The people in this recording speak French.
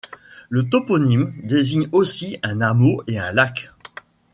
Le toponyme désigne aussi un hameau et un lac.